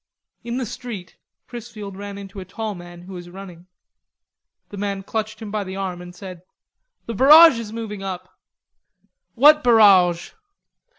In the street Chrisfield ran into a tall man who was running. The man clutched him by the arm and said: "The barrage is moving up." "What barrage?"